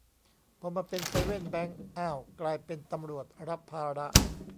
พอมาเป็นเซเว่นแบงก์ อ้าว กลายเป็นตำรวจรับภาระ